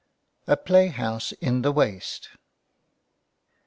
A PLAY HOUSE IN THE WASTE.